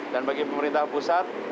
dan bagi pemerintah pusat